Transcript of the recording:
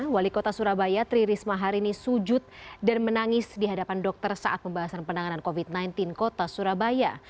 wali kota surabaya tri risma hari ini sujud dan menangis di hadapan dokter saat pembahasan penanganan covid sembilan belas kota surabaya